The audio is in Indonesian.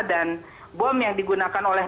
dan bom yang digunakan oleh